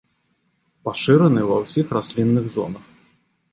Пашыраны ва ўсіх раслінных зонах.